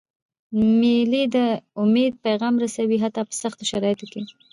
مېلې د امید پیغام رسوي، حتی په سختو شرایطو کي.